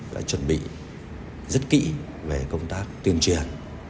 đã chuẩn bị rất kỹ về công tác tuyên truyền